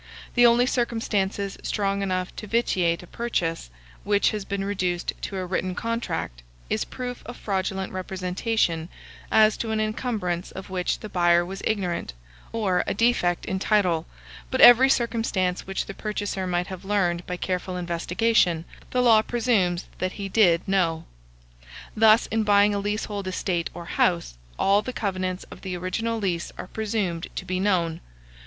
The only circumstances strong enough to vitiate a purchase, which has been reduced to a written contract, is proof of fraudulent representation as to an encumbrance of which the buyer was ignorant, or a defect in title; but every circumstance which the purchaser might have learned by careful investigation, the law presumes that he did know. Thus, in buying a leasehold estate or house, all the covenants of the original lease are presumed to be known.